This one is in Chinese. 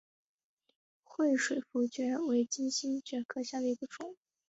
惠水茯蕨为金星蕨科茯蕨属下的一个种。